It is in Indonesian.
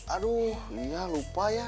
aduh ya lupa ya